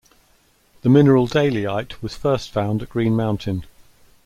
The mineral dalyite was first found at Green Mountain.